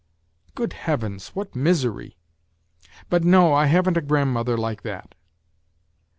..."" Good Heavens ! what misery ! But no, I haven't a grand mother like that."